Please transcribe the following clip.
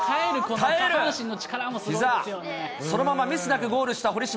下半身の力もそのままミスなくゴールした堀島。